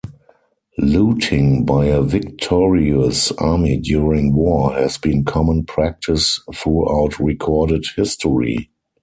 Looting by a victorious army during war has been common practice throughout recorded history.